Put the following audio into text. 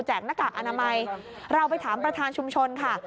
หน้ากากอนามัยเราไปถามประธานชุมชนค่ะ